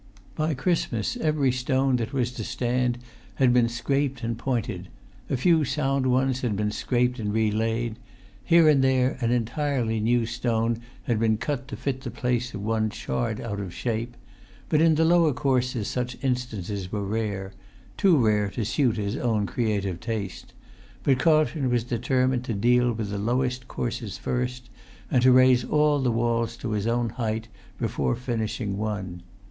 By Christmas every stone that was to stand had been scraped and pointed; a few sound ones had been scraped and relaid; here and there an entirely new stone had been cut to fit the place of one charred out of shape; but in the lower courses such instances were rare, too rare to suit his own creative taste, but Carlton was determined to deal with the lowest courses first, and to raise all the walls to his own height before finishing one.